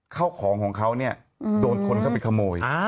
เข้าของของเขาเนี่ยโดนคนเข้าไปขโมย